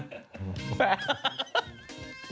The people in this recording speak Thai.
แฟน